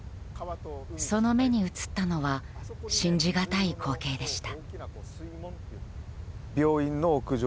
その目に映ったのは信じがたい光景でした。